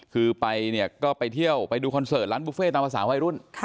คือไปเนี่ยก็ไปเที่ยวไปดูคอนเสิร์ตร้านบุฟเฟ่ตามภาษาวัยรุ่น